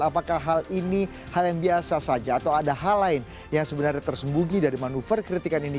apakah hal ini hal yang biasa saja atau ada hal lain yang sebenarnya tersembunyi dari manuver kritikan ini